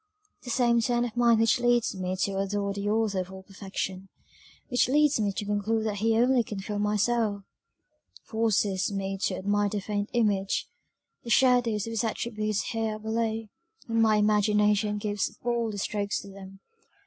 "The same turn of mind which leads me to adore the Author of all Perfection which leads me to conclude that he only can fill my soul; forces me to admire the faint image the shadows of his attributes here below; and my imagination gives still bolder strokes to them.